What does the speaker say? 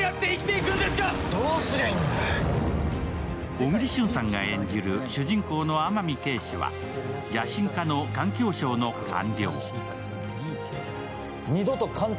小栗旬さんが演じる主人公の天海啓示は野心家の環境省の官僚。